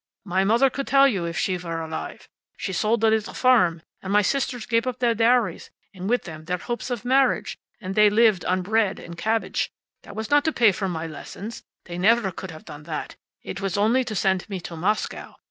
My mother could tell you, if she were alive. She sold the little farm, and my sisters gave up their dowries, and with them their hopes of marriage, and they lived on bread and cabbage. That was not to pay for my lessons. They never could have done that. It was only to send me to Moscow.